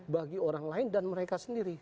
bagi orang lain dan mereka sendiri